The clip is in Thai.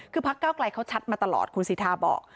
คือพักเก้าไกลเขาชัดมาตลอดคุณสิทธาบอก